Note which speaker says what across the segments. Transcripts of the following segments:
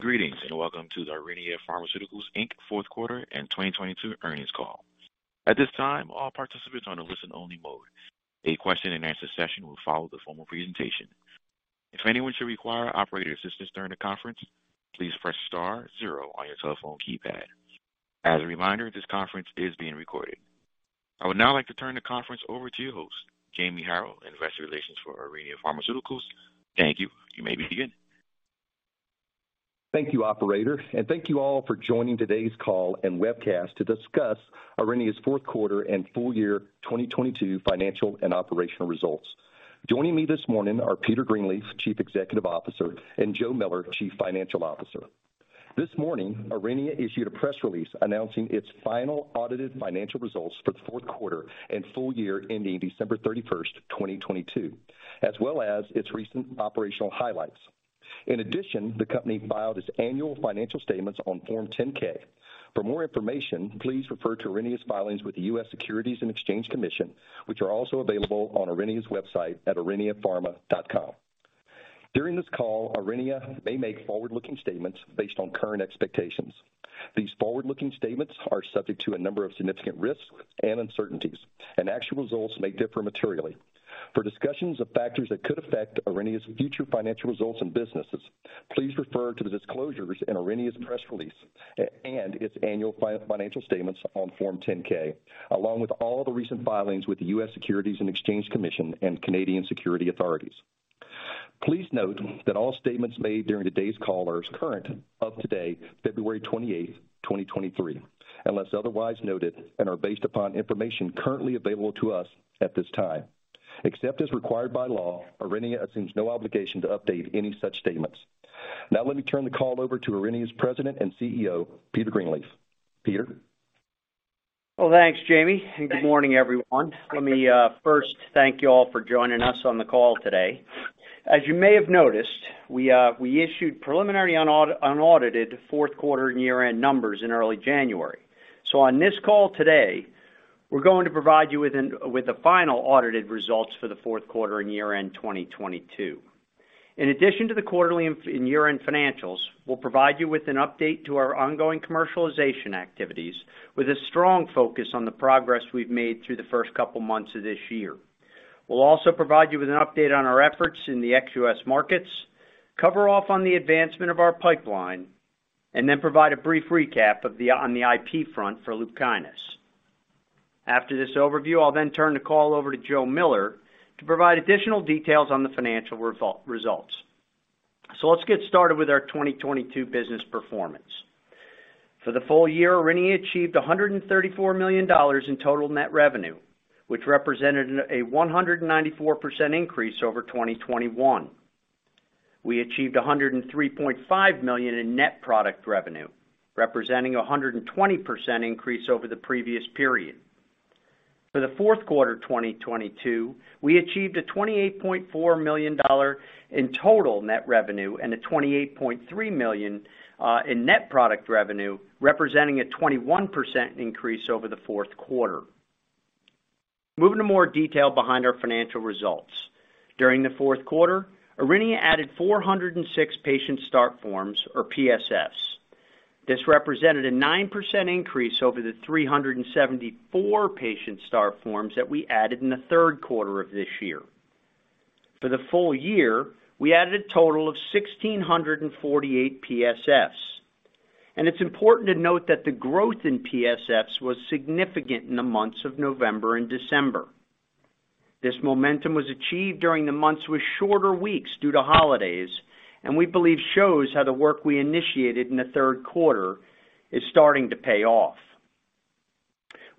Speaker 1: Greetings. Welcome to the Aurinia Pharmaceuticals Inc. Fourth Quarter and 2022 Earnings Call. At this time, all participants are in a listen-only mode. A question-and-answer session will follow the formal presentation. If anyone should require operator assistance during the conference, please press star zero on your telephone keypad. As a reminder, this conference is being recorded. I would now like to turn the conference over to your host, Jamie Harrell, investor relations for Aurinia Pharmaceuticals. Thank you. You may begin.
Speaker 2: Thank you, operator, and thank you all for joining today's call and webcast to discuss Aurinia's fourth quarter and full year 2022 financial and operational results. Joining me this morning are Peter Greenleaf, Chief Executive Officer, and Joe Miller, Chief Financial Officer. This morning, Aurinia issued a press release announcing its final audited financial results for the fourth quarter and full year ending 31 December 2022, as well as its recent operational highlights. In addition, the company filed its annual financial statements on Form 10-K. For more information, please refer to Aurinia's filings with the US Securities and Exchange Commission, which are also available on Aurinia's website at auriniapharma.com. During this call, Aurinia may make forward-looking statements based on current expectations. These forward-looking statements are subject to a number of significant risks and uncertainties. Actual results may differ materially. For discussions of factors that could affect Aurinia's future financial results and businesses, please refer to the disclosures in Aurinia's press release and its annual financial statements on Form 10-K, along with all the recent filings with the US Securities and Exchange Commission and Canadian Securities Administrators. Please note that all statements made during today's call are as current of today, 28 February 2023, unless otherwise noted, and are based upon information currently available to us at this time. Except as required by law, Aurinia assumes no obligation to update any such statements. Let me turn the call over to Aurinia's President and CEO, Peter Greenleaf. Peter?
Speaker 3: Well, thanks, Jamie. Good morning, everyone. Let me first thank you all for joining us on the call today. As you may have noticed, we issued preliminary unaudited fourth quarter year-end numbers in early January. On this call today, we're going to provide you with the final audited results for the fourth quarter and year-end 2022. In addition to the quarterly and year-end financials, we'll provide you with an update to our ongoing commercialization activities with a strong focus on the progress we've made through the first couple of months of this year. We'll also provide you with an update on our efforts in the ex-US markets, cover off on the advancement of our pipeline, and then provide a brief recap on the IP front for LUPKYNIS. After this overview, I'll turn the call over to Joe Miller to provide additional details on the financial results. Let's get started with our 2022 business performance. For the full year, Aurinia achieved $134 million in total net revenue, which represented a 194% increase over 2021. We achieved $103.5 million in net product revenue, representing a 120% increase over the previous period. For the fourth quarter of 2022, we achieved $28.4 million in total net revenue and $28.3 million in net product revenue, representing a 21% increase over the fourth quarter. Moving to more detail behind our financial results. During the fourth quarter, Aurinia added 406 Patient Start Forms or PSFs. This represented a 9% increase over the 374 patient start forms that we added in the third quarter of this year. For the full year, we added a total of 1,648 PSFs. It's important to note that the growth in PSFs was significant in the months of November and December. This momentum was achieved during the months with shorter weeks due to holidays, and we believe shows how the work we initiated in the third quarter is starting to pay off.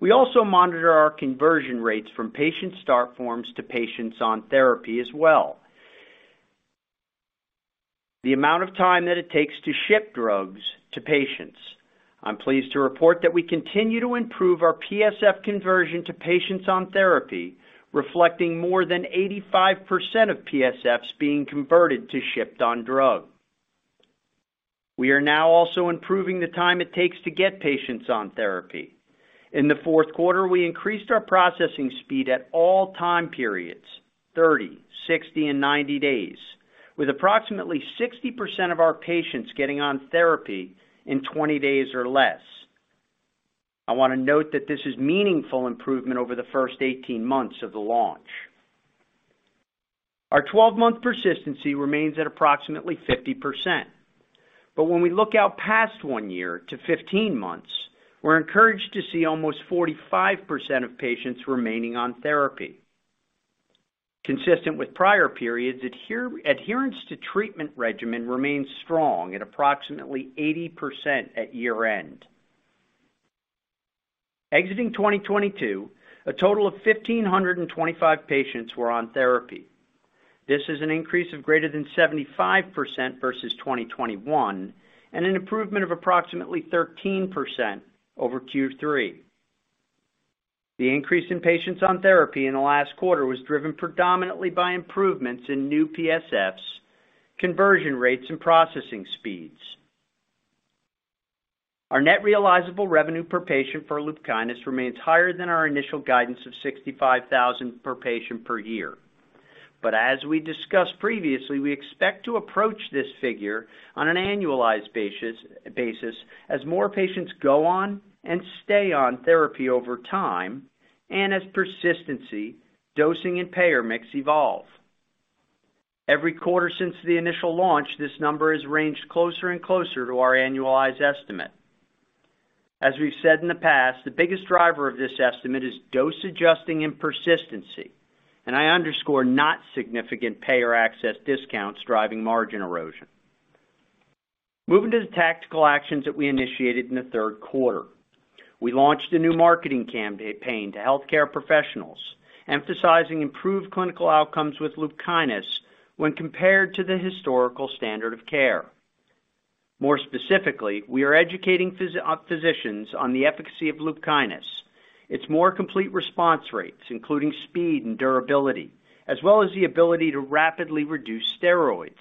Speaker 3: We also monitor our conversion rates from patient start forms to patients on therapy as well. The amount of time that it takes to ship drugs to patients. I'm pleased to report that we continue to improve our PSF conversion to patients on therapy, reflecting more than 85% of PSFs being converted to shipped on drug. We are now also improving the time it takes to get patients on therapy. In the fourth quarter, we increased our processing speed at all time periods, 30, 60 and 90 days, with approximately 60% of our patients getting on therapy in 20 days or less. I wanna note that this is meaningful improvement over the first 18 months of the launch. Our 12-month persistency remains at approximately 50%. When we look out past one year to 15 months, we're encouraged to see almost 45% of patients remaining on therapy. Consistent with prior periods, adherence to treatment regimen remains strong at approximately 80% at year-end. Exiting 2022, a total of 1,525 patients were on therapy. This is an increase of greater than 75% versus 2021 and an improvement of approximately 13% over third quarter. The increase in patients on therapy in the last quarter was driven predominantly by improvements in new PSFs, conversion rates and processing speeds. Our net realizable revenue per patient for LUPKYNIS remains higher than our initial guidance of $65,000 per patient per year. As we discussed previously, we expect to approach this figure on an annualized basis as more patients go on and stay on therapy over time, and as persistency, dosing and payer mix evolve. Every quarter since the initial launch, this number has ranged closer and closer to our annualized estimate. As we've said in the past, the biggest driver of this estimate is dose adjusting and persistency, and I underscore not significant payer access discounts driving margin erosion. Moving to the tactical actions that we initiated in the third quarter. We launched a new marketing campaign to healthcare professionals, emphasizing improved clinical outcomes with LUPKYNIS when compared to the historical standard of care. More specifically, we are educating physicians on the efficacy of LUPKYNIS. Its more complete response rates, including speed and durability, as well as the ability to rapidly reduce steroids.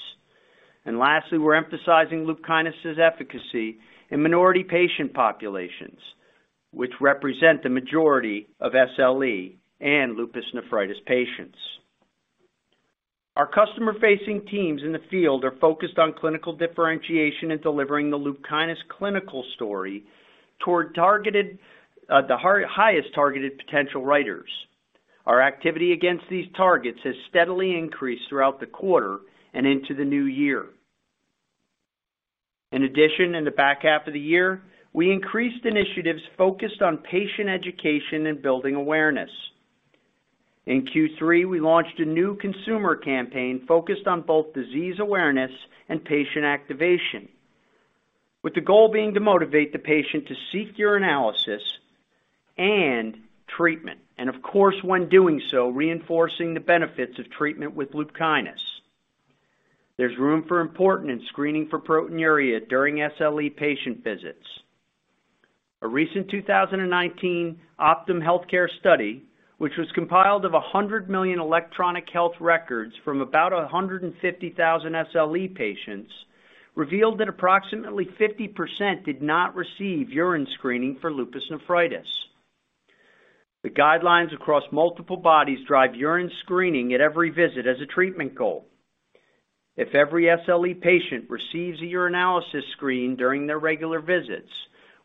Speaker 3: Lastly, we're emphasizing LUPKYNIS' efficacy in minority patient populations, which represent the majority of SLE and lupus nephritis patients. Our customer-facing teams in the field are focused on clinical differentiation and delivering the LUPKYNIS clinical story toward targeted, the highest targeted potential writers. Our activity against these targets has steadily increased throughout the quarter and into the new year. In addition, in the back half of the year, we increased initiatives focused on patient education and building awareness. In Q3, we launched a new consumer campaign focused on both disease awareness and patient activation, with the goal being to motivate the patient to seek urinalysis and treatment. Of course, when doing so, reinforcing the benefits of treatment with LUPKYNIS. There's room for important in screening for proteinuria during SLE patient visits. A recent 2019 Optum study, which was compiled of 100 million electronic health records from about 150,000 SLE patients, revealed that approximately 50% did not receive urine screening for lupus nephritis. The guidelines across multiple bodies drive urine screening at every visit as a treatment goal. If every SLE patient receives a urinalysis screen during their regular visits,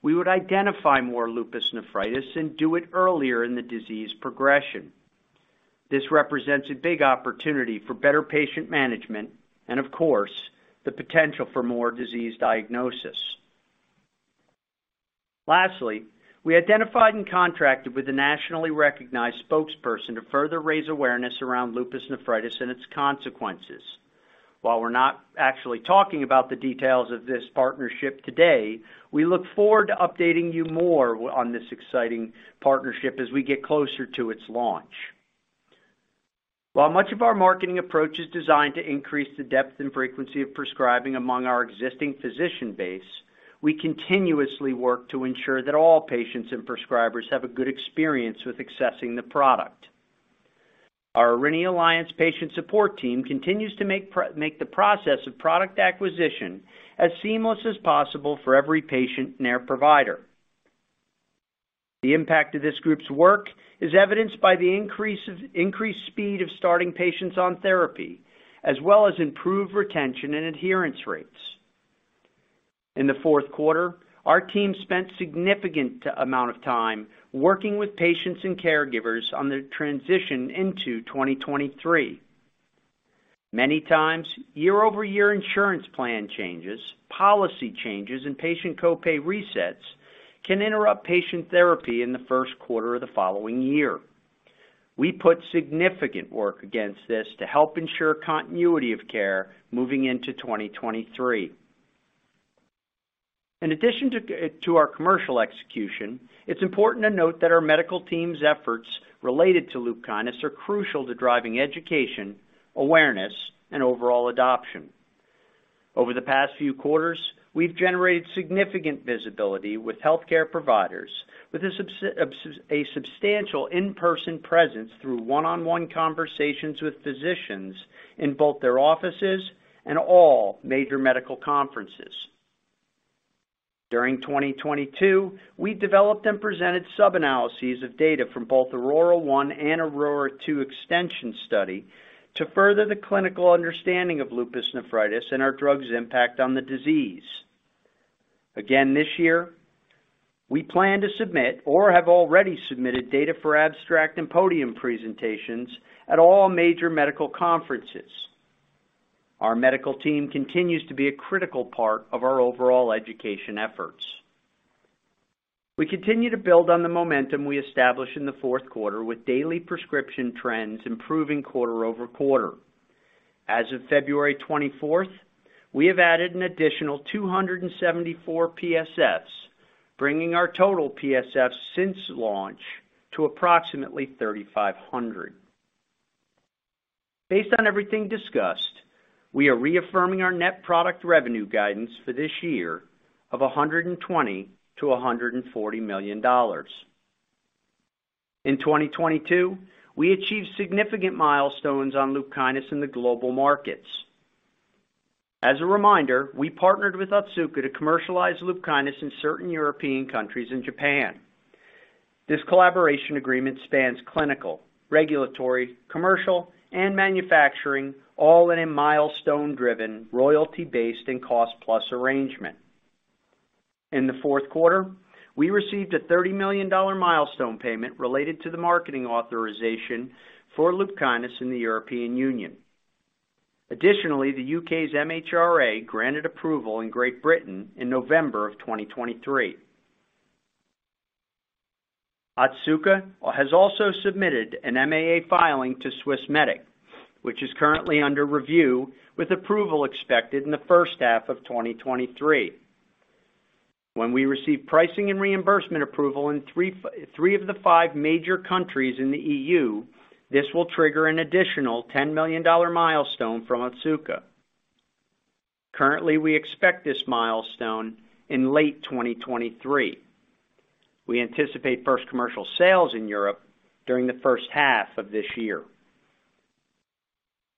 Speaker 3: we would identify more lupus nephritis and do it earlier in the disease progression. This represents a big opportunity for better patient management and, of course, the potential for more disease diagnosis. Lastly, we identified and contracted with a nationally recognized spokesperson to further raise awareness around lupus nephritis and its consequences. While we're not actually talking about the details of this partnership today, we look forward to updating you more on this exciting partnership as we get closer to its launch. While much of our marketing approach is designed to increase the depth and frequency of prescribing among our existing physician base, we continuously work to ensure that all patients and prescribers have a good experience with accessing the product. Our Aurinia Alliance patient support team continues to make the process of product acquisition as seamless as possible for every patient and their provider. The impact of this group's work is evidenced by the increased speed of starting patients on therapy, as well as improved retention and adherence rates. In the fourth quarter, our team spent significant amount of time working with patients and caregivers on the transition into 2023. Many times, year-over-year insurance plan changes, policy changes, and patient copay resets can interrupt patient therapy in the first quarter of the following year. We put significant work against this to help ensure continuity of care moving into 2023. In addition to our commercial execution, it's important to note that our medical team's efforts related to LUPKYNIS are crucial to driving education, awareness, and overall adoption. Over the past few quarters, we've generated significant visibility with healthcare providers with a substantial in-person presence through one-on-one conversations with physicians in both their offices and all major medical conferences. During 2022, we developed and presented sub-analyses of data from both AURORA 1 and AURORA 2 extension study to further the clinical understanding of lupus nephritis and our drug's impact on the disease. This year, we plan to submit or have already submitted data for abstract and podium presentations at all major medical conferences. Our medical team continues to be a critical part of our overall education efforts. We continue to build on the momentum we established in the fourth quarter with daily prescription trends improving quarter-over-quarter. As of 24 February 2023, we have added an additional 274 PSS, bringing our total PSS since launch to approximately 3,500. Based on everything discussed, we are reaffirming our net product revenue guidance for this year of $120 to 140 million. In 2022, we achieved significant milestones on LUPKYNIS in the global markets. As a reminder, we partnered with Otsuka to commercialize LUPKYNIS in certain European countries and Japan. This collaboration agreement spans clinical, regulatory, commercial, and manufacturing, all in a milestone-driven, royalty-based, and cost-plus arrangement. In the fourth quarter, we received a $30 million milestone payment related to the marketing authorization for LUPKYNIS in the European Union. The UK's MHRA granted approval in Great Britain in November of 2023. Otsuka has also submitted an MAA filing to Swissmedic, which is currently under review with approval expected in the first half of 2023. When we receive pricing and reimbursement approval in three of the five major countries in the EU, this will trigger an additional $10 million milestone from Otsuka. Currently, we expect this milestone in late 2023. We anticipate first commercial sales in Europe during the first half of this year.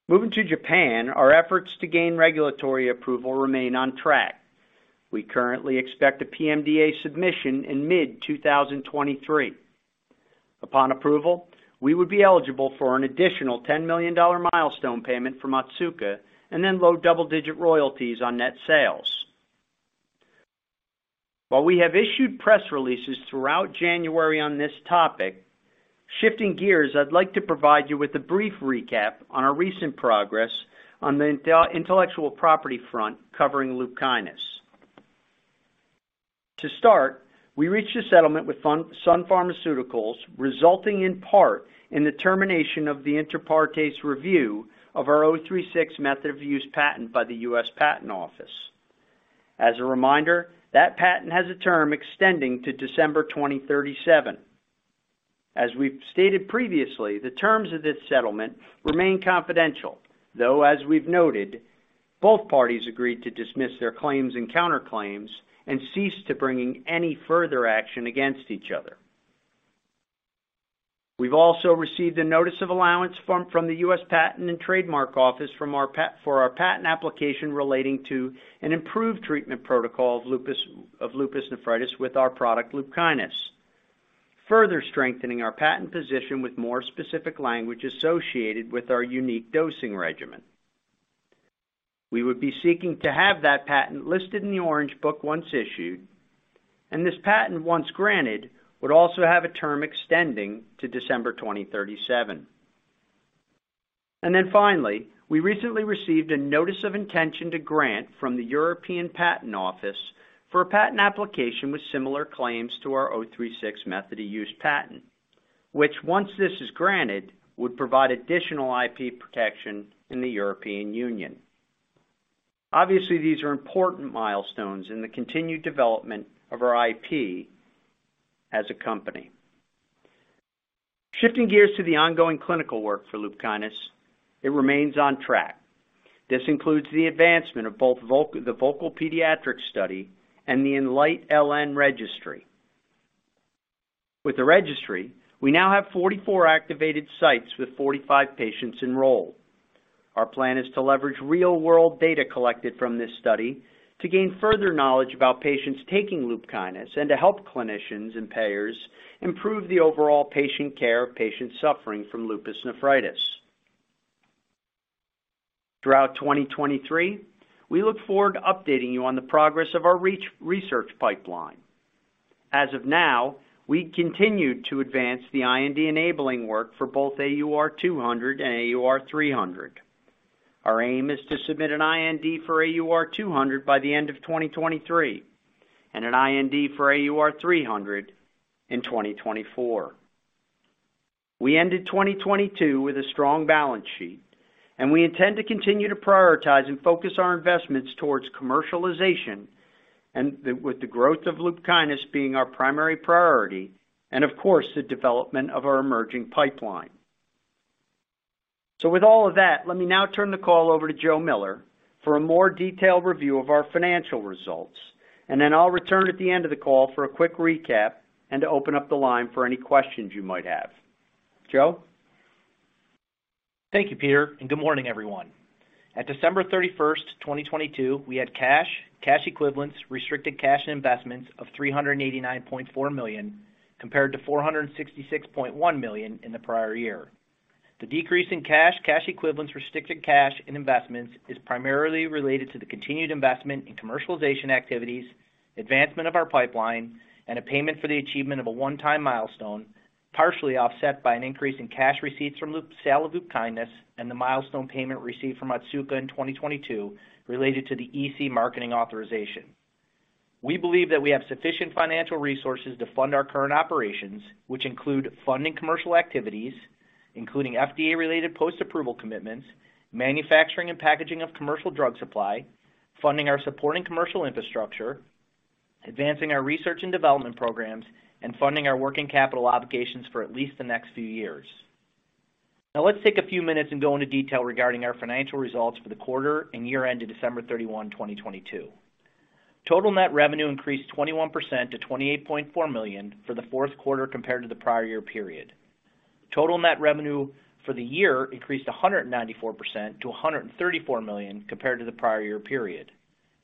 Speaker 3: Moving to Japan, our efforts to gain regulatory approval remain on track. We currently expect a PMDA submission in mid-2023. Upon approval, we would be eligible for an additional $10 million milestone payment from Otsuka and then low double-digit royalties on net sales. While we have issued press releases throughout January on this topic, shifting gears, I'd like to provide you with a brief recap on our recent progress on the intellectual property front covering LUPKYNIS. To start, we reached a settlement with Sun Pharmaceutical, resulting in part in the termination of the inter partes review of our '036 patent by the United States Patent and Trademark Office. As a reminder, that patent has a term extending to December 2037. As we've noted, both parties agreed to dismiss their claims and counterclaims and ceased to bringing any further action against each other. We've also received a notice of allowance from the United States Patent and Trademark Office for our patent application relating to an improved treatment protocol of lupus nephritis with our product, LUPKYNIS, further strengthening our patent position with more specific language associated with our unique dosing regimen. We would be seeking to have that patent listed in the Orange Book once issued, and this patent, once granted, would also have a term extending to December 2037. Finally, we recently received a notice of intention to grant from the European Patent Office for a patent application with similar claims to our '036 method of use patent, which, once this is granted, would provide additional IP protection in the European Union. Obviously, these are important milestones in the continued development of our IP as a company. Shifting gears to the ongoing clinical work for LUPKYNIS, it remains on track. This includes the advancement of both the VOCAL pediatric study and the Enlight-LN registry. With the registry, we now have 44 activated sites with 45 patients enrolled. Our plan is to leverage real-world data collected from this study to gain further knowledge about patients taking LUPKYNIS and to help clinicians and payers improve the overall patient care of patients suffering from lupus nephritis. Throughout 2023, we look forward to updating you on the progress of our research pipeline. As of now, we continued to advance the IND-enabling work for both AUR200 and AUR300. Our aim is to submit an IND for AUR200 by the end of 2023 and an IND for AUR300 in 2024. We ended 2022 with a strong balance sheet, and we intend to continue to prioritize and focus our investments towards commercialization with the growth of LUPKYNIS being our primary priority and of course, the development of our emerging pipeline. With all of that, let me now turn the call over to Joe Miller for a more detailed review of our financial results, and then I'll return at the end of the call for a quick recap and to open up the line for any questions you might have. Joe?
Speaker 4: Thank you, Peter, and good morning, everyone. At 31 December 2022, we had cash equivalents, restricted cash and investments of $389.4 million, compared to $466.1 million in the prior year. The decrease in cash equivalents, restricted cash, and investments is primarily related to the continued investment in commercialization activities, advancement of our pipeline, and a payment for the achievement of a one-time milestone, partially offset by an increase in cash receipts from the sale of LUPKYNIS. The milestone payment received from Otsuka in 2022 related to the EC marketing authorization. We believe that we have sufficient financial resources to fund our current operations, which include funding commercial activities, including FDA-related post-approval commitments, manufacturing and packaging of commercial drug supply, funding our supporting commercial infrastructure, advancing our research and development programs, and funding our working capital obligations for at least the next few years. Let's take a few minutes and go into detail regarding our financial results for the quarter and year-end to 31 December 2022. Total net revenue increased 21% to $28.4 million for the fourth quarter compared to the prior year period. Total net revenue for the year increased 194% to $134 million compared to the prior year period.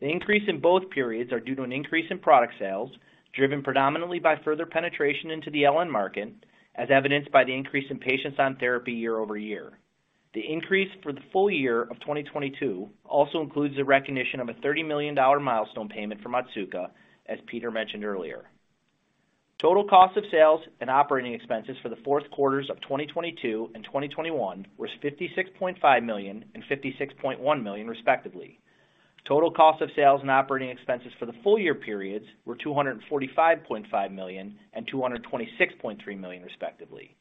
Speaker 4: The increase in both periods are due to an increase in product sales, driven predominantly by further penetration into the LN market, as evidenced by the increase in patients on therapy year-over-year. The increase for the full year of 2022 also includes a recognition of a $30 million milestone payment from Otsuka, as Peter mentioned earlier. Total cost of sales and operating expenses for the fourth quarters of 2022 and 2021 were $56.5 million and $56.1 million, respectively. Total cost of sales and operating expenses for the full year periods were $245.5 million and $226.3 million, respectively.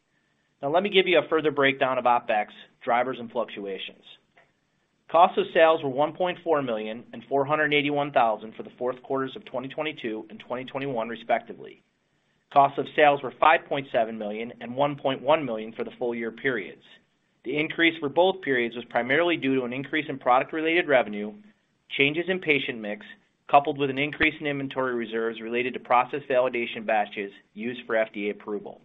Speaker 4: Let me give you a further breakdown of OpEx drivers and fluctuations. Cost of sales were $1.4 million and $481,000 for the fourth quarters of 2022 and 2021, respectively. Cost of sales were $5.7 million and $1.1 million for the full year periods. The increase for both periods was primarily due to an increase in product-related revenue, changes in patient mix, coupled with an increase in inventory reserves related to process validation batches used for FDA approval.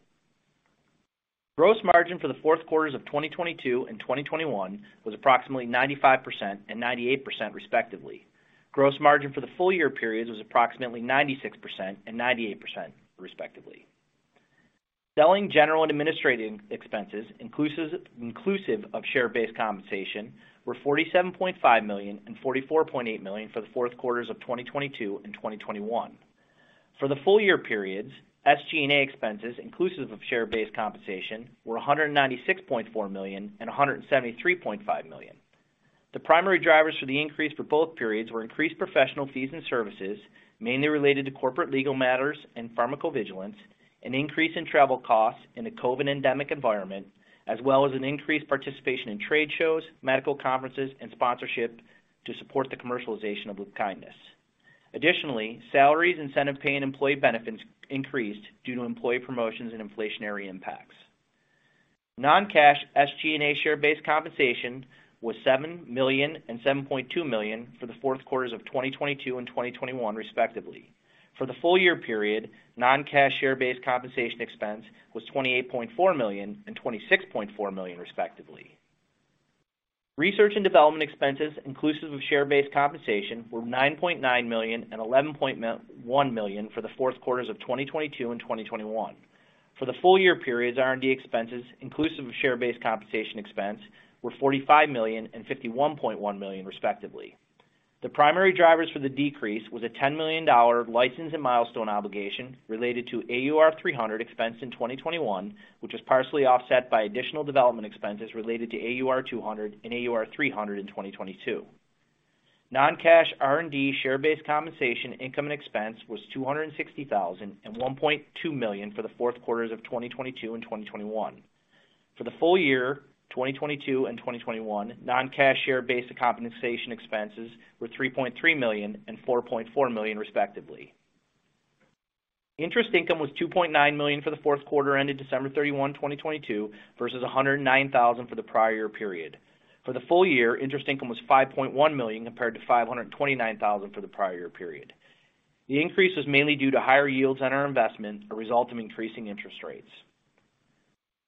Speaker 4: Gross margin for the fourth quarters of 2022 and 2021 was approximately 95% and 98%, respectively. Gross margin for the full year periods was approximately 96% and 98%, respectively. Selling, general, and administrative expenses, inclusive of share-based compensation, were $47.5 million and $44.8 million for the fourth quarters of 2022 and 2021. For the full year periods, SG&A expenses inclusive of share-based compensation were $196.4 million and $173.5 million. The primary drivers for the increase for both periods were increased professional fees and services, mainly related to corporate legal matters and pharmacovigilance, an increase in travel costs in a COVID endemic environment, as well as an increased participation in trade shows, medical conferences, and sponsorship to support the commercialization of LUPKYNIS. Additionally, salaries, incentive pay, and employee benefits increased due to employee promotions and inflationary impacts. Non-cash SG&A share-based compensation was $7 million and $7.2 million for the fourth quarters of 2022 and 2021, respectively. For the full year period, non-cash share-based compensation expense was $28.4 million and $26.4 million, respectively. Research and development expenses inclusive of share-based compensation were $9.9 million and $11.1 million for the fourth quarters of 2022 and 2021. For the full year periods, R&D expenses inclusive of share-based compensation expense were $45 million and $51.1 million, respectively. The primary drivers for the decrease was a $10 million license and milestone obligation related to AUR300 expense in 2021, which was partially offset by additional development expenses related to AUR200 and AUR300 in 2022. Non-cash R&D share-based compensation income and expense was $260,000 and $1.2 million for the fourth quarters of 2022 and 2021. For the full year 2022 and 2021, non-cash share-based compensation expenses were $3.3 million and $4.4 million, respectively. Interest income was $2.9 million for the fourth quarter ended 31 December 2022 versus $109,000 for the prior year period. For the full year, interest income was $5.1 million compared to $529,000 for the prior year period. The increase was mainly due to higher yields on our investment, a result of increasing interest rates.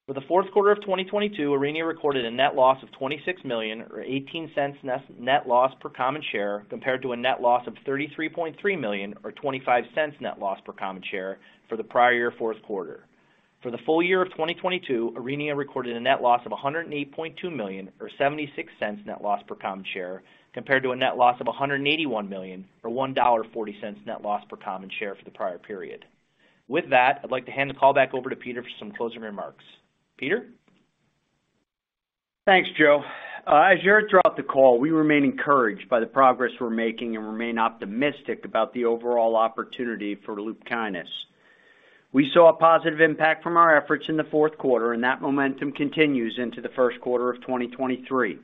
Speaker 4: For the fourth quarter of 2022, Aurinia recorded a net loss of $26 million, or $0.18 net loss per common share, compared to a net loss of $33.3 million or $0.25 net loss per common share for the prior year fourth quarter. For the full year of 2022, Aurinia recorded a net loss of $108.2 million or $0.76 net loss per common share, compared to a net loss of $181 million or $1.40 net loss per common share for the prior period. With that, I'd like to hand the call back over to Peter for some closing remarks. Peter?
Speaker 3: Thanks, Joe. As you heard throughout the call, we remain encouraged by the progress we're making and remain optimistic about the overall opportunity for LUPKYNIS. We saw a positive impact from our efforts in the fourth quarter, that momentum continues into the first quarter of 2023.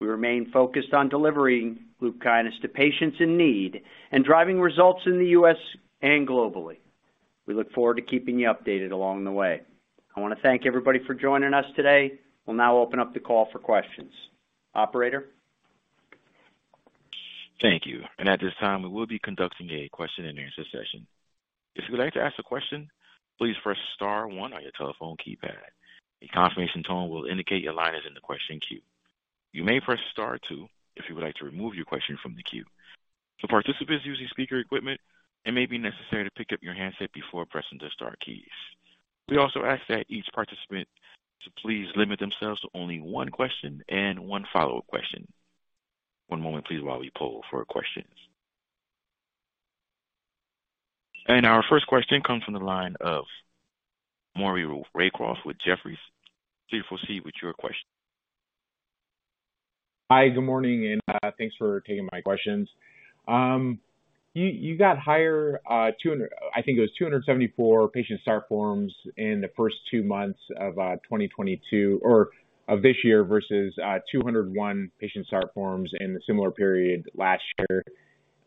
Speaker 3: We remain focused on delivering LUPKYNIS to patients in need and driving results in the US and globally. We look forward to keeping you updated along the way. I wanna thank everybody for joining us today. We'll now open up the call for questions. Operator?
Speaker 1: Thank you. At this time, we will be conducting a question-and-answer session. If you would like to ask a question, please press star one on your telephone keypad. A confirmation tone will indicate your line is in the question queue. You may press star two if you would like to remove your question from the queue. For participants using speaker equipment, it may be necessary to pick up your handset before pressing the star keys. We also ask that each participant to please limit themselves to only one question and one follow-up question. One moment please while we poll for questions. Our first question comes from the line of Maury Raycroft with Jefferies. Please proceed with your question.
Speaker 5: Hi, good morning, and thanks for taking my questions. You got higher 274 Patient Start Forms in the first two months of 2022 or of this year versus 201 Patient Start Forms in the similar period last year.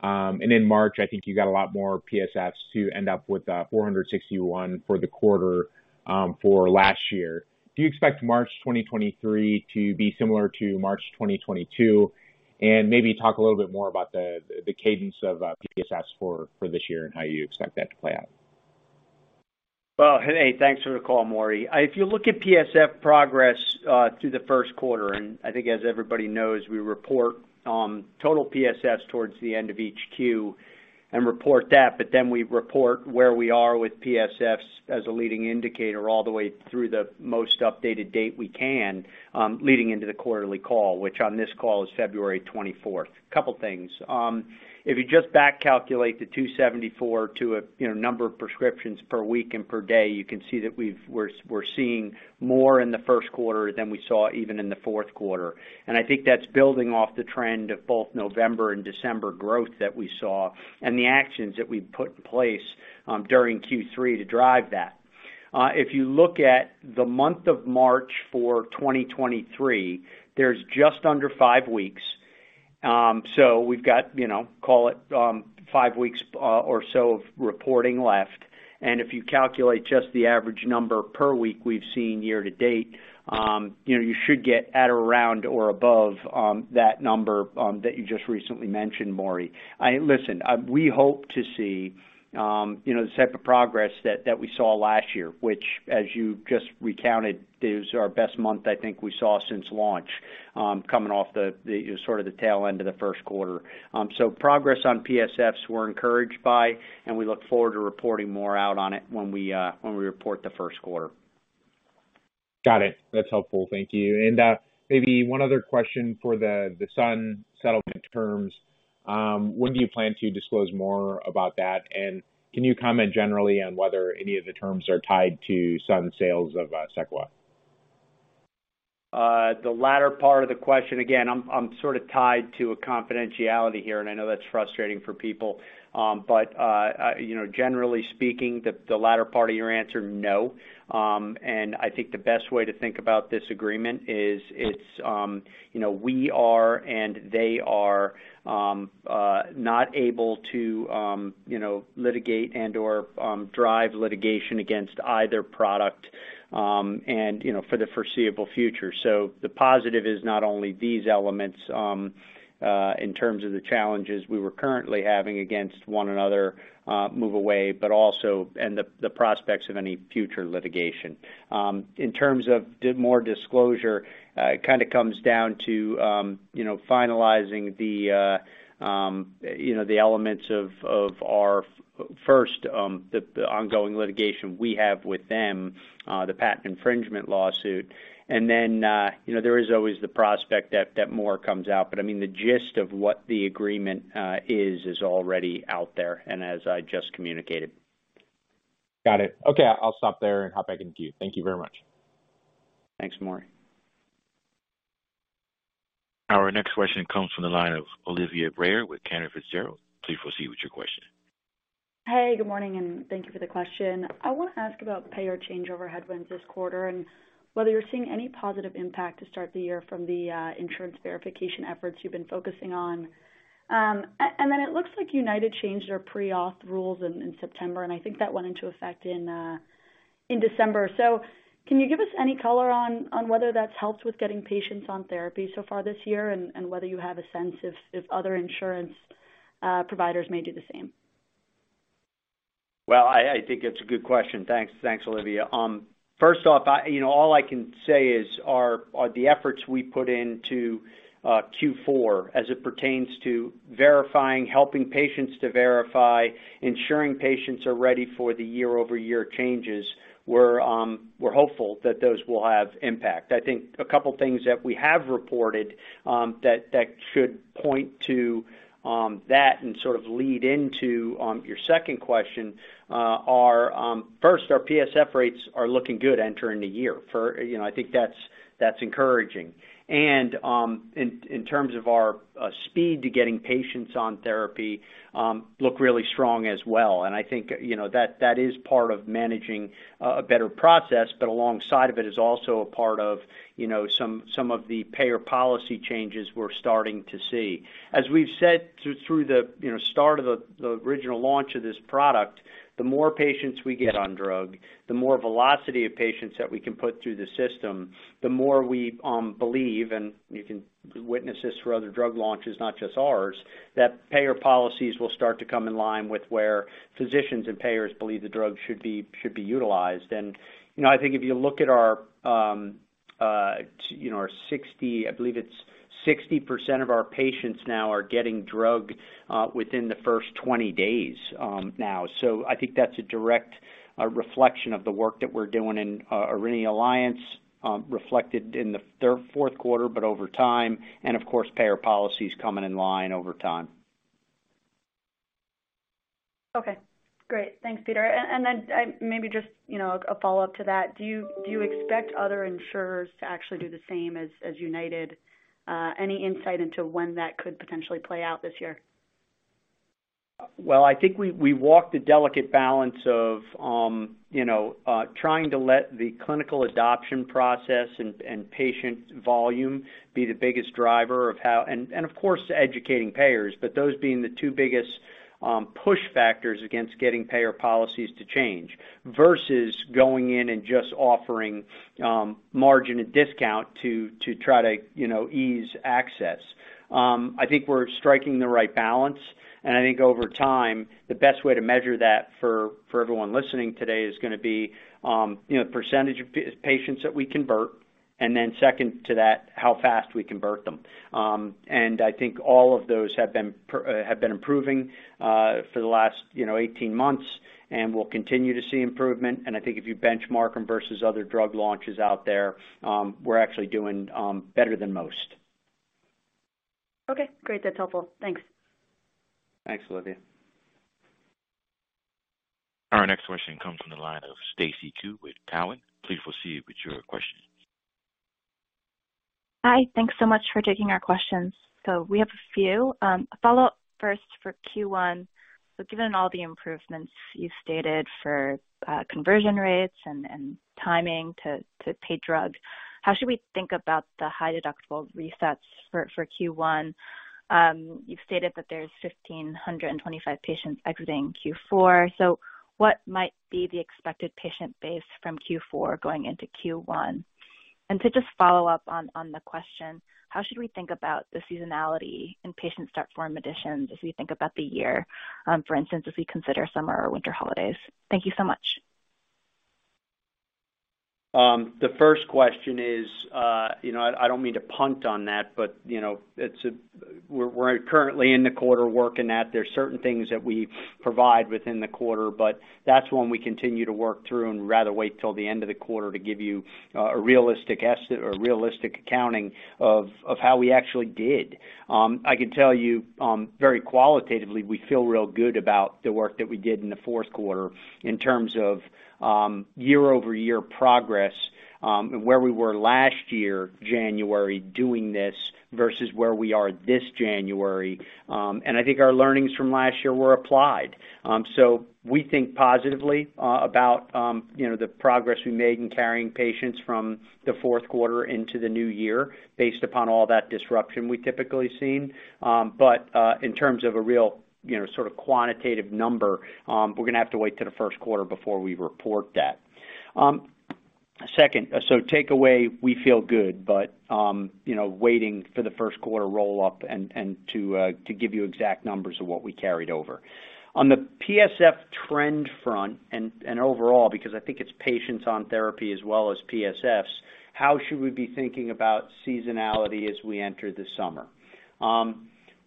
Speaker 5: In March, I think you got a lot more PSFs to end up with 461 for the quarter for last year. Do you expect March 2023 to be similar to March 2022? Maybe talk a little bit more about the cadence of PSFs for this year and how you expect that to play out.
Speaker 3: Well, hey, thanks for the call, Maury. If you look at PSF progress through the first quarter, I think as everybody knows, we report total PSFs towards the end of each quarter and report that, but then we report where we are with PSFs as a leading indicator all the way through the most updated date we can, leading into the quarterly call, which on this call is 24 February 2023. Couple things. If you just back calculate the 274 to a, you know, number of prescriptions per week and per day, you can see that we're seeing more in the first quarter than we saw even in the fourth quarter. I think that's building off the trend of both November and December growth that we saw and the actions that we put in place during third quarter to drive that. If you look at the month of March for 2023, there's just under five weeks. We've got, you know, call it, five weeks or so of reporting left. If you calculate just the average number per week we've seen year to date, you know, you should get at around or above that number that you just recently mentioned, Maury. Listen, we hope to see, you know, the type of progress that we saw last year, which as you just recounted, is our best month I think we saw since launch, coming off the sort of the tail end of the first quarter. Progress on PSFs we're encouraged by, and we look forward to reporting more out on it when we report the first quarter.
Speaker 5: Got it. That's helpful. Thank you. Maybe one other question for the Sun settlement terms. When do you plan to disclose more about that? Can you comment generally on whether any of the terms are tied to Sun sales of Seciera?
Speaker 3: The latter part of the question, again, I'm sort of tied to a confidentiality here, and I know that's frustrating for people. You know, generally speaking, the latter part of your answer, no. I think the best way to think about this agreement is it's, you know, we are, and they are not able to, you know, litigate and/or drive litigation against either product, and, you know, for the foreseeable future. The positive is not only these elements in terms of the challenges we were currently having against one another move away, but also and the prospects of any future litigation. In terms of more disclosure, it kinda comes down to, you know, finalizing the, you know, the elements of our first, the ongoing litigation we have with them, the patent infringement lawsuit. Then, you know, there is always the prospect that more comes out. I mean, the gist of what the agreement is already out there and as I just communicated.
Speaker 5: Got it. Okay, I'll stop there and hop back in queue. Thank you very much.
Speaker 3: Thanks, Maury.
Speaker 1: Our next question comes from the line of Olivia Breyer with Cantor Fitzgerald. Please proceed with your question.
Speaker 6: Hey, good morning, and thank you for the question. I wanna ask about payer changeover headwinds this quarter and whether you're seeing any positive impact to start the year from the insurance verification efforts you've been focusing on. Then it looks like UnitedHealthcare changed their pre-auth rules in September, and I think that went into effect in December. Can you give us any color on whether that's helped with getting patients on therapy so far this year and whether you have a sense if other insurance providers may do the same?
Speaker 3: Well, I think it's a good question. Thanks. Thanks, Olivia. You know, all I can say is the efforts we put into fourth quarter as it pertains to verifying, helping patients to verify, ensuring patients are ready for the year-over-year changes, we're hopeful that those will have impact. I think a couple things that we have reported that should point to that and sort of lead into your second question are, first, our PSF rates are looking good entering the year. You know, I think that's encouraging. In terms of our speed to getting patients on therapy, look really strong as well. I think, you know, that is part of managing a better process, but alongside of it is also a part of, you know, some of the payer policy changes we're starting to see. We've said through the, you know, start of the original launch of this product, the more patients we get on drug, the more velocity of patients that we can put through the system, the more we believe, and you can witness this for other drug launches, not just ours, that payer policies will start to come in line with where physicians and payers believe the drug should be utilized. I think if you look at our, you know, our 60%, I believe it's 60% of our patients now are getting drugged within the first 20 days now. I think that's a direct reflection of the work that we're doing in Aurinia Alliance, reflected in the third, fourth quarter, but over time and, of course, payer policies coming in line over time.
Speaker 6: Okay, great. Thanks, Peter. Then maybe just, you know, a follow-up to that. Do you expect other insurers to actually do the same as UnitedHealthcare? Any insight into when that could potentially play out this year?
Speaker 3: Well, I think we walk the delicate balance of, you know, trying to let the clinical adoption process and patient volume be the biggest driver of how. Of course, educating payers, but those being the two biggest push factors against getting payer policies to change versus going in and just offering margin and discount to try to, you know, ease access. I think we're striking the right balance, and I think over time, the best way to measure that for everyone listening today is gonna be, you know, percentage of patients that we convert, and then second to that, how fast we convert them. I think all of those have been improving for the last, you know, 18 months and we'll continue to see improvement. I think if you benchmark them versus other drug launches out there, we're actually doing better than most.
Speaker 7: Okay, great. That's helpful. Thanks.
Speaker 3: Thanks, Olivia.
Speaker 1: Our next question comes from the line of Stacy Ku with Cowen. Please proceed with your question.
Speaker 8: Hi. Thanks so much for taking our questions. We have a few. A follow-up first for first quarter. Given all the improvements you stated for conversion rates and timing to pay drug, how should we think about the high-deductible resets for first quarter? You've stated that there's 1,525 patients exiting fourth quarter. What might be the expected patient base from fourth quarter going into first quarter? To just follow up on the question, how should we think about the seasonality in Patient Start Form additions as we think about the year, for instance, as we consider summer or winter holidays? Thank you so much.
Speaker 3: The first question is, you know, I don't mean to punt on that, but, you know, we're currently in the quarter working that. There's certain things that we provide within the quarter, but that's one we continue to work through and rather wait till the end of the quarter to give you a realistic accounting of how we actually did. I can tell you, very qualitatively, we feel real good about the work that we did in the fourth quarter in terms of year-over-year progress, and where we were last year, January, doing this versus where we are this January. I think our learnings from last year were applied. We think positively about, you know, the progress we made in carrying patients from the fourth quarter into the new year based upon all that disruption we typically seen. In terms of a real, you know, sort of quantitative number, we're gonna have to wait till the first quarter before we report that. Second, takeaway, we feel good, but, you know, waiting for the first quarter roll-up and to give you exact numbers of what we carried over. On the PSF trend front and overall, because I think it's patients on therapy as well as PSFs, how should we be thinking about seasonality as we enter the summer?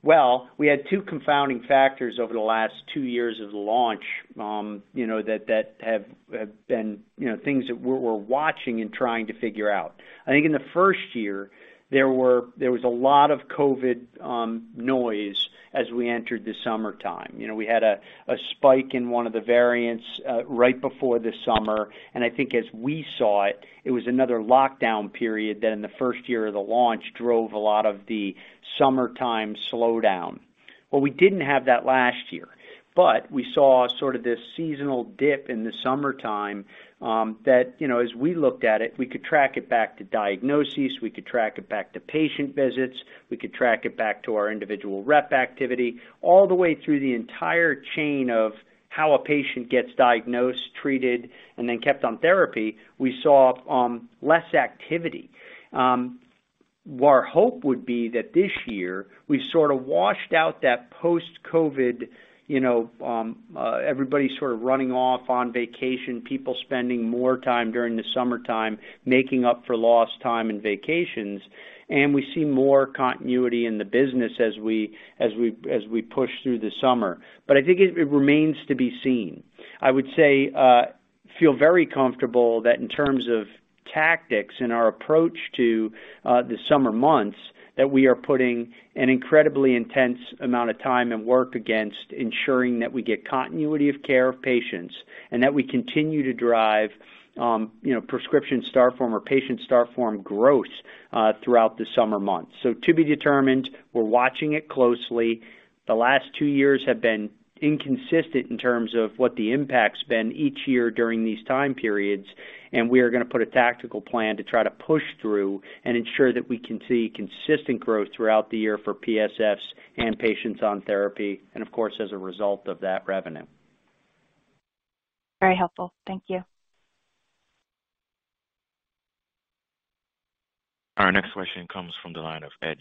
Speaker 3: Well, we had two confounding factors over the last two years of the launch, you know, that have been, you know, things that we're watching and trying to figure out. I think in the first year, there was a lot of COVID noise as we entered the summertime. You know, we had a spike in one of the variants right before the summer, and I think as we saw it was another lockdown period that in the first year of the launch drove a lot of the summertime slowdown. We didn't have that last year, but we saw sort of this seasonal dip in the summertime, that, you know, as we looked at it, we could track it back to diagnoses, we could track it back to patient visits, we could track it back to our individual rep activity, all the way through the entire chain of how a patient gets diagnosed, treated, and then kept on therapy. We saw less activity. Our hope would be that this year, we've sort of washed out that post-COVID, you know, everybody sort of running off on vacation, people spending more time during the summertime, making up for lost time and vacations, and we see more continuity in the business as we push through the summer. I think it remains to be seen. I would say, feel very comfortable that in terms of tactics and our approach to, the summer months, that we are putting an incredibly intense amount of time and work against ensuring that we get continuity of care of patients and that we continue to drive, you know, prescription Start Form or Patient Start Form growth throughout the summer months. To be determined, we're watching it closely. The last two years have been inconsistent in terms of what the impact's been each year during these time periods, and we are gonna put a tactical plan to try to push through and ensure that we can see consistent growth throughout the year for PSFs and patients on therapy and of course, as a result of that revenue.
Speaker 8: Very helpful. Thank you.
Speaker 1: Our next question comes from the line of Ed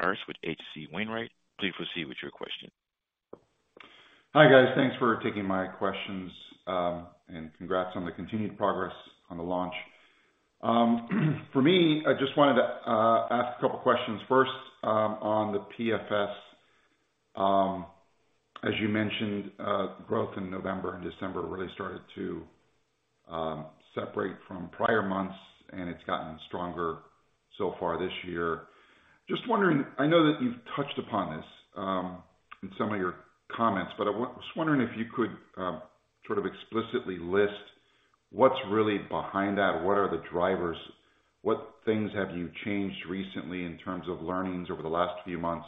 Speaker 1: Arce with H.C. Wainwright. Please proceed with your question.
Speaker 9: Hi, guys. Thanks for taking my questions. Congrats on the continued progress on the launch. For me, I just wanted to ask two questions. First, on the PFS, as you mentioned, growth in November and December really started to separate from prior months, and it's gotten stronger so far this year. Just wondering, I know that you've touched upon this in some of your comments, but I was wondering if you could sort of explicitly list. What's really behind that? What are the drivers? What things have you changed recently in terms of learnings over the last few months?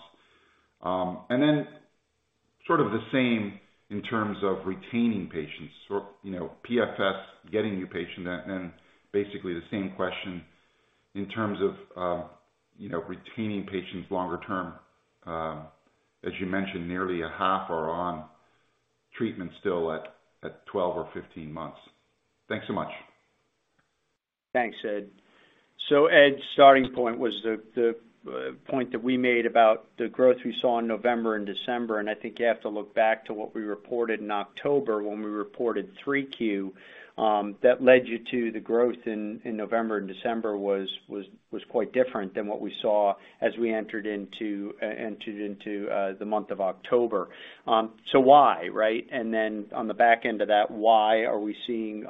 Speaker 9: Sort of the same in terms of retaining patients or, you know, PFS, getting new patient, and basically the same question in terms of, you know, retaining patients longer term, as you mentioned, nearly a half are on treatment still at 12 or 15 months. Thanks so much.
Speaker 3: Thanks, Ed. So Ed, starting point was the point that we made about the growth we saw in November and December, and I think you have to look back to what we reported in October when we reported third quarter that led you to the growth in November and December was quite different than what we saw as we entered into entered into the month of October. Why, right? Then on the back end of that, why are we seeing,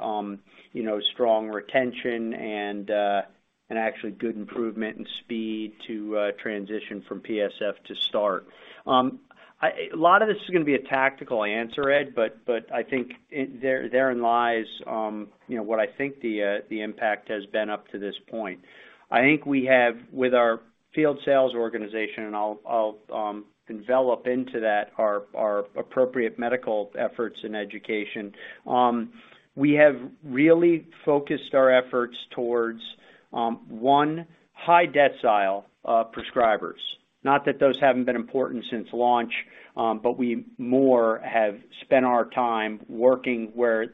Speaker 3: you know, strong retention and actually good improvement in speed to transition from PSF to start. A lot of this is gonna be a tactical answer, Ed, but I think therein lies, you know, what I think the impact has been up to this point. I think with our field sales organization, and I'll envelop into that our appropriate medical efforts in education. We have really focused our efforts towards one, high decile prescribers. Not that those haven't been important since launch, but we more have spent our time working where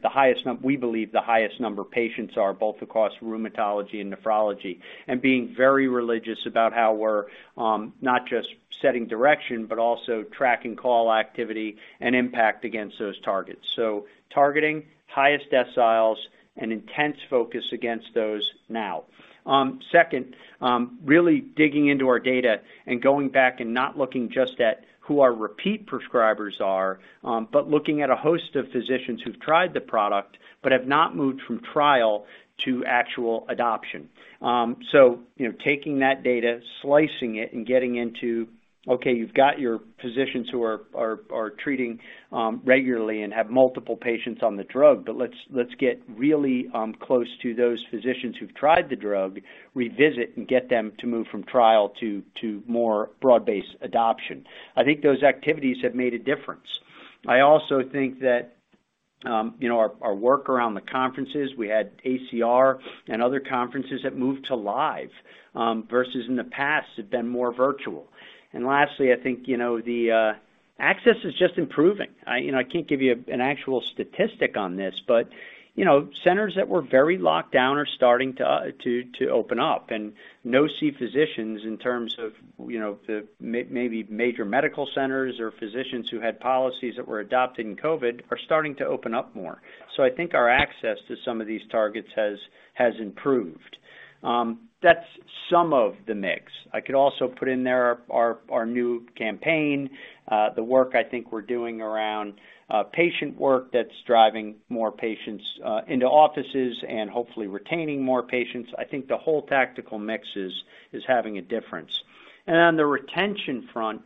Speaker 3: we believe the highest number of patients are, both across rheumatology and nephrology, and being very religious about how we're not just setting direction but also tracking call activity and impact against those targets. Targeting highest deciles and intense focus against those now. Second, really digging into our data and going back and not looking just at who our repeat prescribers are, but looking at a host of physicians who've tried the product but have not moved from trial to actual adoption. You know, taking that data, slicing it, and getting into, okay, you've got your physicians who are treating regularly and have multiple patients on the drug, but let's get really close to those physicians who've tried the drug, revisit, and get them to move from trial to more broad-based adoption. I think those activities have made a difference. I also think that, you know, our work around the conferences, we had ACR and other conferences that moved to live versus in the past had been more virtual. Lastly, I think, you know, the access is just improving. You know, I can't give you an actual statistic on this, but, you know, centers that were very locked down are starting to open up. No-see physicians in terms of, you know, maybe major medical centers or physicians who had policies that were adopted in COVID are starting to open up more. I think our access to some of these targets has improved. That's some of the mix. I could also put in there our new campaign, the work I think we're doing around patient work that's driving more patients into offices and hopefully retaining more patients. I think the whole tactical mix is having a difference. On the retention front,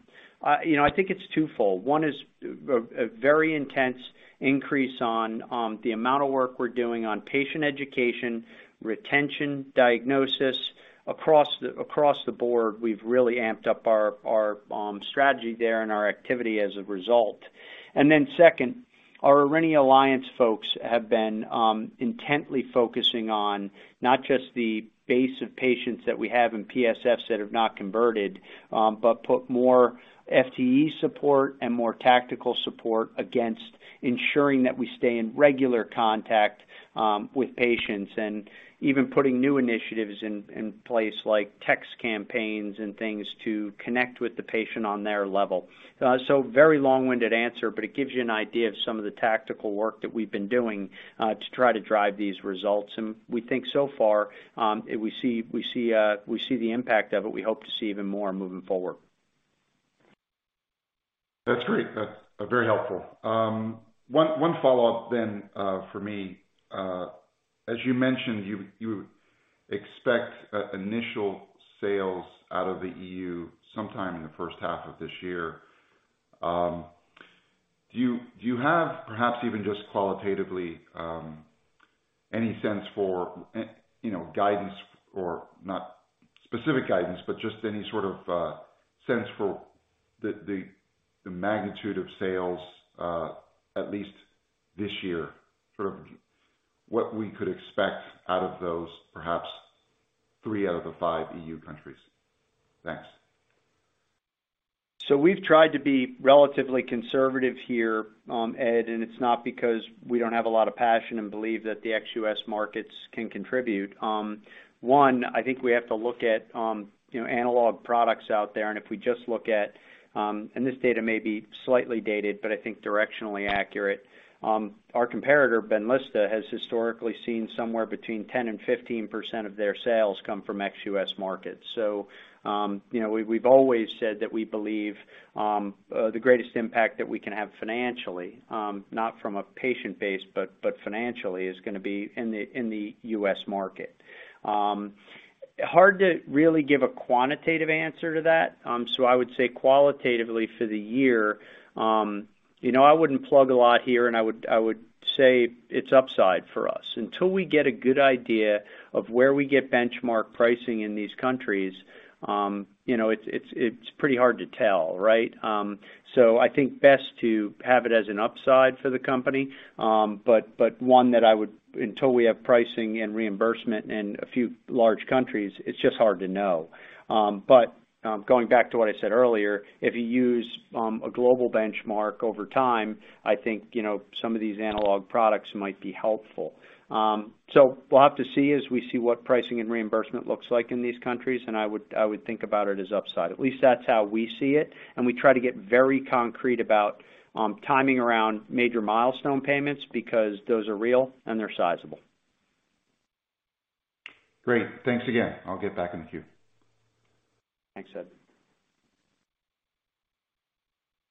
Speaker 3: you know, I think it's twofold. One is a very intense increase on the amount of work we're doing on patient education, retention, diagnosis. Across the board, we've really amped up our strategy there and our activity as a result. Second, our Aurinia Alliance folks have been intently focusing on not just the base of patients that we have in PSFs that have not converted, but put more FTE support and more tactical support against ensuring that we stay in regular contact with patients and even putting new initiatives in place, like text campaigns and things to connect with the patient on their level. Very long-winded answer, but it gives you an idea of some of the tactical work that we've been doing to try to drive these results. We think so far, we see the impact of it. We hope to see even more moving forward.
Speaker 9: That's great. That's very helpful. One follow-up then for me. As you mentioned, you expect initial sales out of the EU sometime in the first half of this year. Do you have perhaps even just qualitatively any sense for, you know, guidance or not specific guidance, but just any sort of sense for the magnitude of sales at least this year, sort of what we could expect out of those perhaps three out of the five EU countries? Thanks.
Speaker 3: We've tried to be relatively conservative here, Ed, and it's not because we don't have a lot of passion and belief that the ex-US markets can contribute. One, I think we have to look at, you know, analog products out there, and if we just look at, and this data may be slightly dated, but I think directionally accurate, our comparator BENLYSTA has historically seen somewhere between 10% and 15% of their sales come from ex-US markets. You know, we've always said that we believe, the greatest impact that we can have financially, not from a patient base, but financially, is gonna be in the US market. Hard to really give a quantitative answer to that. I would say qualitatively for the year, you know, I wouldn't plug a lot here, and I would say it's upside for us. Until we get a good idea of where we get benchmark pricing in these countries, you know, it's pretty hard to tell, right? I think best to have it as an upside for the company, but one that I would... until we have pricing and reimbursement in a few large countries, it's just hard to know. Going back to what I said earlier, if you use a global benchmark over time, I think, you know, some of these analog products might be helpful. We'll have to see as we see what pricing and reimbursement looks like in these countries, and I would think about it as upside. At least that's how we see it, and we try to get very concrete about timing around major milestone payments because those are real and they're sizable.
Speaker 9: Great. Thanks again. I'll get back in the queue.
Speaker 3: Thanks, Ed.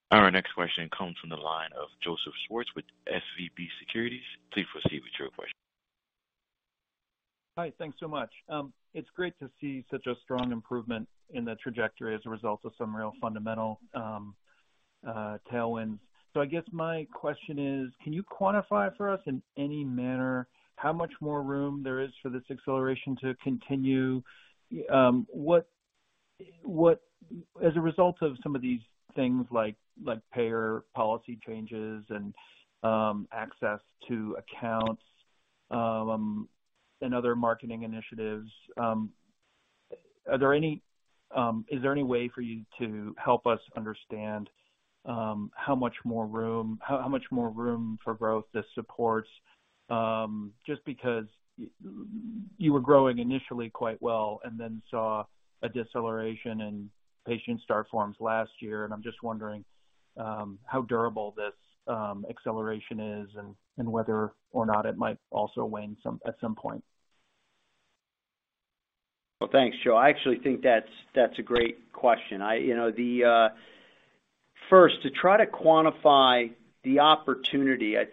Speaker 1: Our next question comes from the line of Joseph Schwartz with SVB Securities. Please proceed with your question.
Speaker 10: Hi. Thanks so much. It's great to see such a strong improvement in the trajectory as a result of some real fundamental tailwinds. I guess my question is, can you quantify for us in any manner how much more room there is for this acceleration to continue? What as a result of some of these things like payer policy changes and access to accounts and other marketing initiatives, are there any, is there any way for you to help us understand how much more room, how much more room for growth this supports? Just because you were growing initially quite well and then saw a deceleration in Patient Start Forms last year, and I'm just wondering how durable this acceleration is and whether or not it might also wane at some point.
Speaker 3: Well, thanks, Joe. I actually think that's a great question. You know, first, to try to quantify the opportunity, I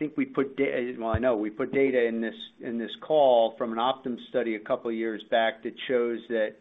Speaker 3: know we put data in this, in this call from an Optum study a couple years back that shows that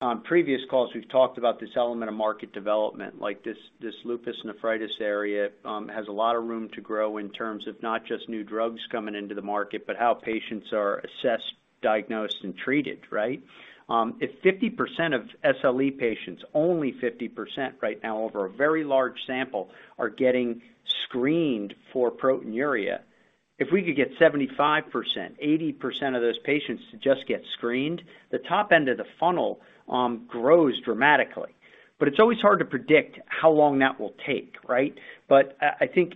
Speaker 3: on previous calls we've talked about this element of market development, like this lupus nephritis area has a lot of room to grow in terms of not just new drugs coming into the market, but how patients are assessed, diagnosed and treated, right? If 50% of SLE patients, only 50% right now over a very large sample are getting screened for proteinuria. If we could get 75%, 80% of those patients to just get screened, the top end of the funnel grows dramatically. It's always hard to predict how long that will take, right? I think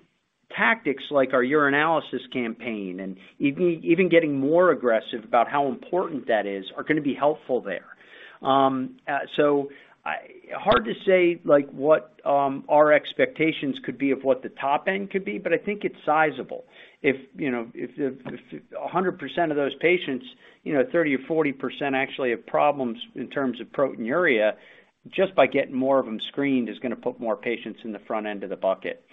Speaker 3: tactics like our urinalysis campaign and even getting more aggressive about how important that is are gonna be helpful there. Hard to say like what our expectations could be of what the top end could be, but I think it's sizable. If, you know, if 100% of those patients, you know, 30% or 40% actually have problems in terms of proteinuria, just by getting more of them screened is gonna put more patients in the front end of the bucket.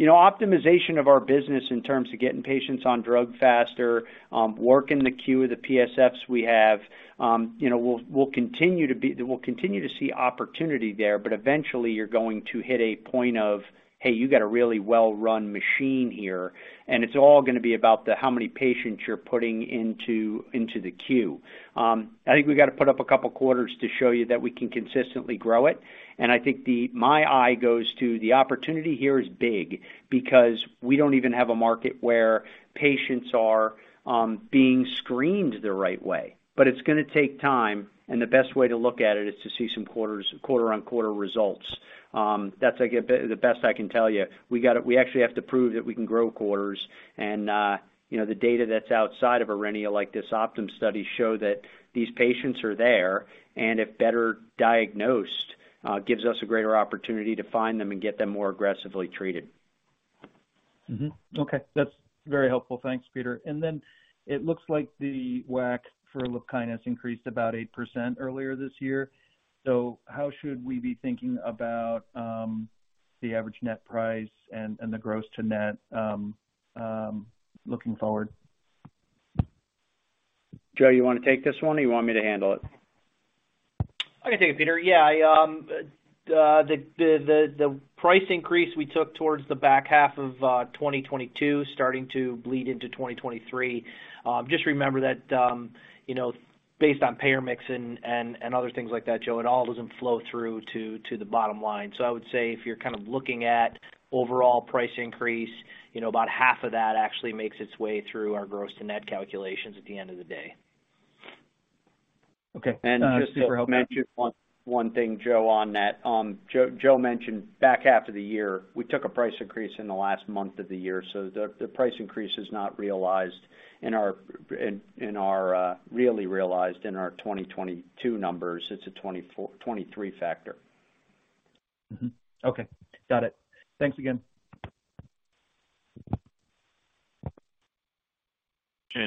Speaker 3: You know, optimization of our business in terms of getting patients on drug faster, working the queue of the PSFs we have, you know, we'll continue to see opportunity there, but eventually you're going to hit a point of, hey, you got a really well-run machine here, and it's all gonna be about how many patients you're putting into the queue. I think we gotta put up a couple quarters to show you that we can consistently grow it. I think my eye goes to the opportunity here is big because we don't even have a market where patients are being screened the right way. It's gonna take time, and the best way to look at it is to see some quarters, quarter-on-quarter results. That's like the best I can tell you. We actually have to prove that we can grow quarters and, you know, the data that's outside of Aurinia, like this Optum study, show that these patients are there and if better diagnosed, gives us a greater opportunity to find them and get them more aggressively treated.
Speaker 10: Mm-hmm. Okay. That's very helpful. Thanks, Peter. It looks like the WAC for LUPKYNIS increased about 8% earlier this year. How should we be thinking about the average net price and the gross to net looking forward?
Speaker 3: Joe, you wanna take this one or you want me to handle it?
Speaker 4: I can take it, Peter. Yeah. I, the price increase we took towards the back half of 2022 starting to bleed into 2023. Just remember that, you know, based on payer mix and other things like that, Joe, it all doesn't flow through to the bottom line. I would say if you're kind of looking at overall price increase, you know, about half of that actually makes its way through our gross to net calculations at the end of the day.
Speaker 10: Okay... [crpsstalk]
Speaker 3: Just to mention one thing, Joe, on that. Joe mentioned back half of the year, we took a price increase in the last month of the year, so the price increase is not realized in our really realized in our 2022 numbers. It's a 2024, 2023 factor.
Speaker 10: Mm-hmm. Okay. Got it. Thanks again.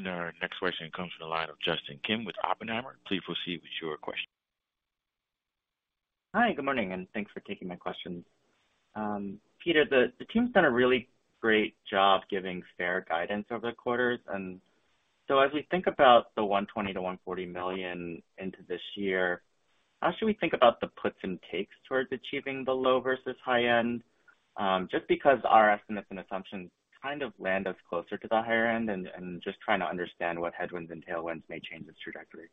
Speaker 1: Our next question comes from the line of Justin Kim with Oppenheimer. Please proceed with your question.
Speaker 11: Hi, good morning, and thanks for taking my questions. Peter, the team's done a really great job giving fair guidance over the quarters. As we think about the $120 to 140 million into this year, how should we think about the puts and takes towards achieving the low versus high end? just because our estimates and assumptions kind of land us closer to the higher end and just trying to understand what headwinds and tailwinds may change this trajectory.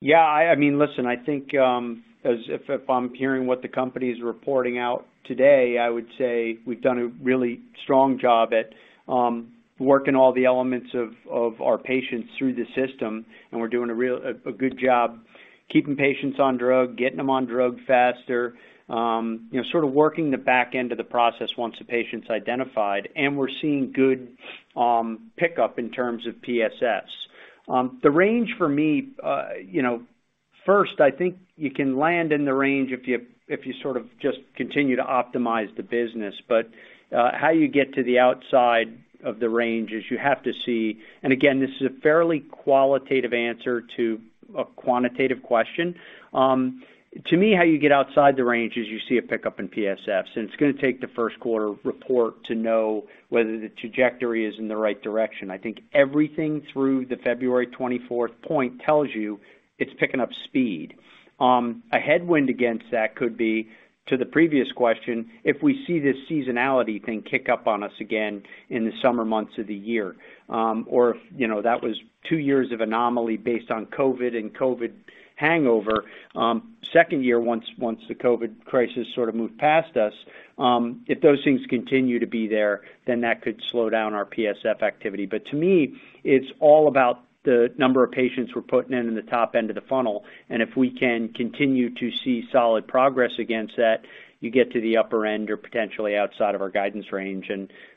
Speaker 3: Yeah, I mean, listen, I think, as if I'm hearing what the company is reporting out today, I would say we've done a really strong job at working all the elements of our patients through the system, and we're doing a real good job keeping patients on drug, getting them on drug faster, you know, sort of working the back end of the process once the patient's identified. We're seeing good pickup in terms of PSS. The range for me, you know, first, I think you can land in the range if you sort of just continue to optimize the business. How you get to the outside of the range is you have to see. Again, this is a fairly qualitative answer to a quantitative question. To me, how you get outside the range is you see a pickup in PSFs. It's gonna take the first quarter report to know whether the trajectory is in the right direction. I think everything through the 24 February 2023 point tells you it's picking up speed. A headwind against that could be, to the previous question, if we see this seasonality thing kick up on us again in the summer months of the year, or if, you know, that was two years of anomaly based on COVID and COVID hangover. Second year, once the COVID crisis sort of moved past us, if those things continue to be there, that could slow down our PSF activity. To me, it's all about the number of patients we're putting in in the top end of the funnel. If we can continue to see solid progress against that, you get to the upper end or potentially outside of our guidance range.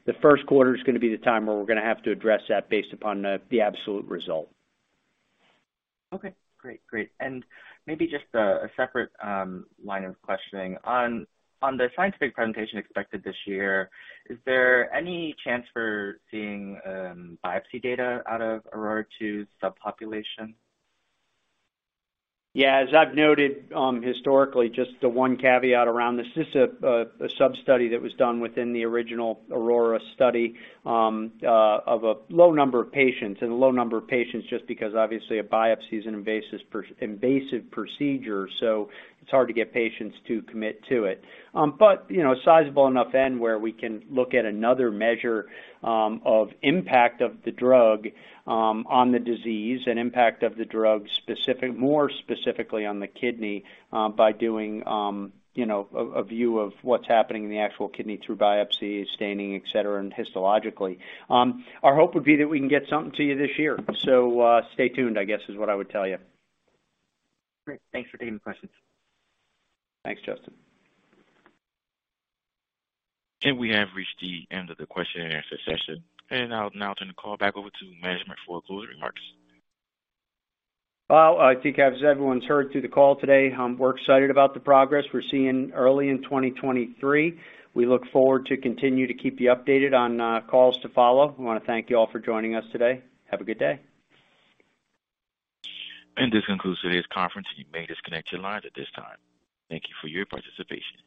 Speaker 3: The first quarter is gonna be the time where we're gonna have to address that based upon the absolute result.
Speaker 11: Okay, great. Maybe just a separate line of questioning. On the scientific presentation expected this year, is there any chance for seeing biopsy data out of AURORA 2 subpopulation?
Speaker 3: Yeah, as I've noted, historically, just the one caveat around this is a sub-study that was done within the original AURORA study, of a low number of patients, and a low number of patients just because obviously a biopsy is an invasive procedure, so it's hard to get patients to commit to it. You know, sizable enough end where we can look at another measure of impact of the drug on the disease and impact of the drug more specifically on the kidney, by doing, you know, a view of what's happening in the actual kidney through biopsy, staining, et cetera, and histologically. Our hope would be that we can get something to you this year. Stay tuned, I guess, is what I would tell you.
Speaker 11: Great. Thanks for taking the questions.
Speaker 3: Thanks, Justin.
Speaker 1: We have reached the end of the question-and-answer session. I'll now turn the call back over to management for closing remarks.
Speaker 3: Well, I think as everyone's heard through the call today, we're excited about the progress we're seeing early in 2023. We look forward to continue to keep you updated on calls to follow. I wanna thank you all for joining us today. Have a good day.
Speaker 1: This concludes today's conference. You may disconnect your lines at this time. Thank you for your participation.